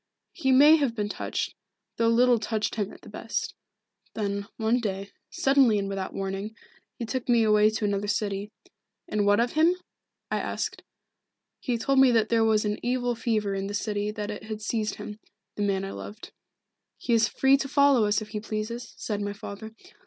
He may have been touched, though little touched him at the best. Then, one day, suddenly and without warning, he took me away to another city. And what of him? I asked. He told me that there was an evil fever in the city and that it had seized him the man I loved. 'He is free to follow us if he pleases,' said my father.